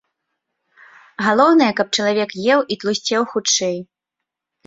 Галоўнае, каб чалавек еў і тлусцеў хутчэй.